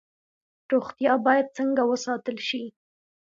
روغتیا باید څنګه وساتل شي؟